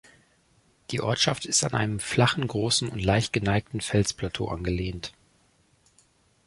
Die Ortschaft ist an einem flachen, großen und leicht geneigten Felsplateau angelehnt.